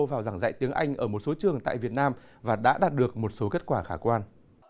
vào giảng dạy tiếng anh ở một số trường tại việt nam và đã đạt được một số kết quả khả quan